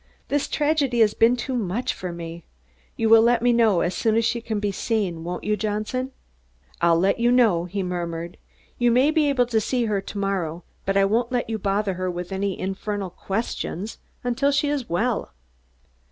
This tragedy has been too much for me. You will let me know as soon as she can be seen, won't you, Johnson?" "I'll let you know," he murmured. "You may be able to see her to morrow, but I won't let you bother her with any infernal questions until she is well."